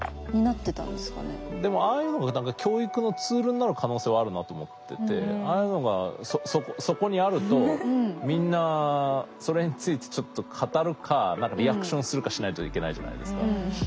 でもああいうのが教育のツールになる可能性はあるなと思っててああいうのがそこにあるとみんなそれについてちょっと語るか何かリアクションするかしないといけないじゃないですか。